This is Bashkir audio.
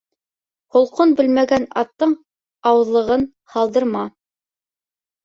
Холҡон белмәгән аттың ауыҙлығын һалдырма.